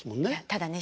ただね